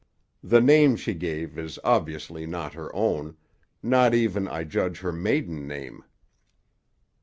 The name she gave is obviously not her own; not even, I judge, her maiden name."